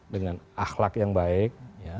dengan akhlak yang baik